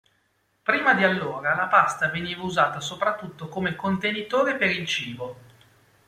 Prima di allora la pasta veniva usata soprattutto come contenitore per il cibo.